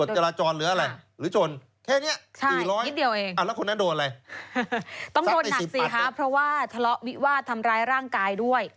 ทะเลาะวิวาดทำร้ายร่างกายด้วย